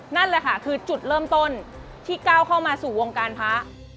นั่นแหละค่ะคือจุดเริ่มต้นที่ก้าวเข้ามาสู่วงการพระ